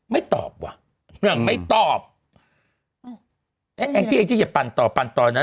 ไม่ตอบว่ะนางไม่ตอบอย่าปันต่อปันต่อน่ะ